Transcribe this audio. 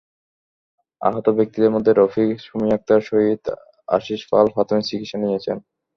আহত ব্যক্তিদের মধ্যে রফিক, সুমি আক্তার, শহীদ, আশিষ পাল প্রাথমিক চিকিৎসা নিয়েছেন।